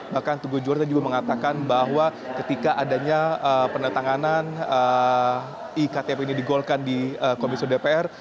bahkan tugu juara tadi juga mengatakan bahwa ketika adanya penetanganan iktp ini digolkan di komisi dpr